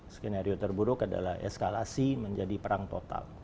skenario terburuk adalah eskalasi menjadi perang total